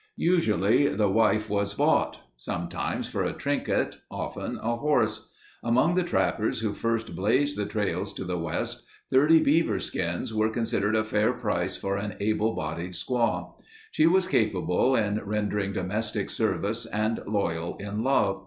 Usually the wife was bought. Sometimes for a trinket. Often a horse. Among the trappers who first blazed the trails to the West, 30 beaver skins were considered a fair price for an able bodied squaw. She was capable in rendering domestic service and loyal in love.